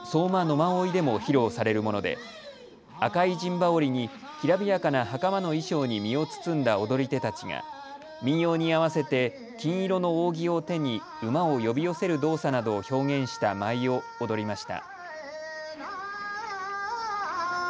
馬追でも披露されるもので赤い陣羽織にきらびやかなはかまの衣装に身を包んだ踊り手たちが民謡に合わせて金色の扇を手に馬を呼び寄せる動作などを表現した舞を踊りました。